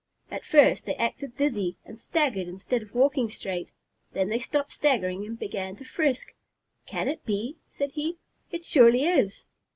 At first they acted dizzy, and staggered instead of walking straight; then they stopped staggering and began to frisk. "Can it be?" said he. "It surely is!"